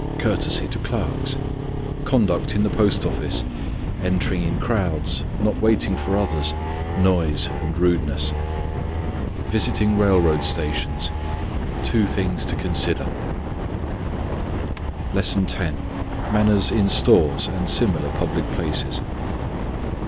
_ Courtesy to clerks. Conduct in the post office, entering in crowds, not waiting for others, noise and rudeness. Visiting railroad stations. Two things to consider. LESSON X. MANNERS IN STORES AND SIMILAR PUBLIC PLACES.